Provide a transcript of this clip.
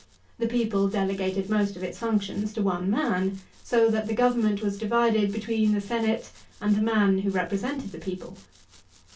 The people delegated most of its functions to one man, so that the government was divided between the senate and the man who represented the people.